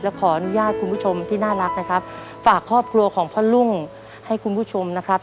ขออนุญาตคุณผู้ชมที่น่ารักนะครับฝากครอบครัวของพ่อลุงให้คุณผู้ชมนะครับ